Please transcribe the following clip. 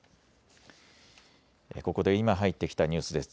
ここで今入ってきたニュースです。